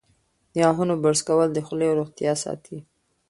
د غاښونو برس کول د خولې روغتیا ساتي.